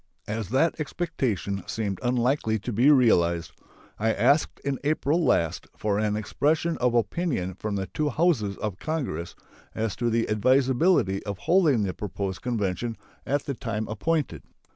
As that expectation seemed unlikely to be realized, I asked in April last for an expression of opinion from the two Houses of Congress as to the advisability of holding the proposed convention at the time appointed.